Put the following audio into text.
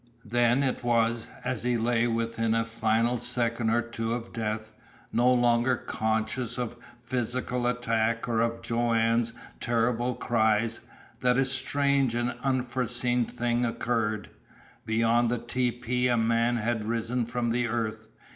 Then it was, as he lay within a final second or two of death, no longer conscious of physical attack or of Joanne's terrible cries, that a strange and unforeseen thing occurred. Beyond the tepee a man had risen from the earth.